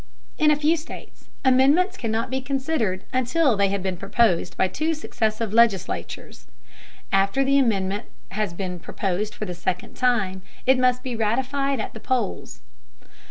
In a few states, amendments cannot be considered until they have been proposed by two successive legislatures. After the amendment has been proposed for the second time, it must be ratified at the polls.